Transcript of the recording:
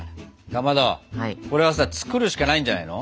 かまどこれはさ作るしかないんじゃないの？